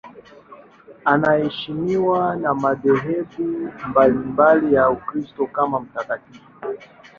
Anaheshimiwa na madhehebu mbalimbali ya Ukristo kama mtakatifu.